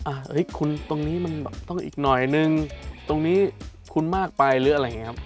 เฮ้ยคุณตรงนี้มันต้องอีกหน่อยนึงตรงนี้คุณมากไปหรืออะไรอย่างนี้ครับ